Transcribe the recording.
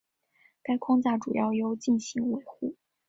该框架主要由进行维护。